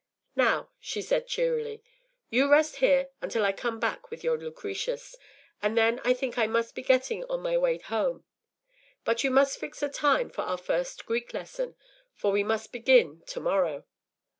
“Now,” she said, cheerily, “you rest here until I come back with your Lucretius, and then I think I must be getting on my way home. But you must fix a time for our first Greek lesson, for we must begin to morrow.